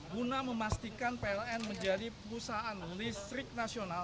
guna memastikan pln menjadi perusahaan listrik nasional